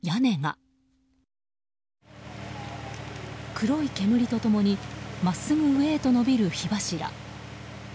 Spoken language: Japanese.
黒い煙と共に真っすぐ上へと延びる火柱。